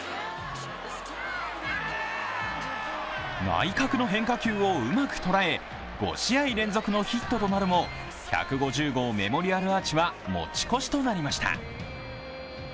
内角の変化球をうまく捉え、５試合連続のヒットとなるも１５０号メモリアルアーチは持ち越しとなりました。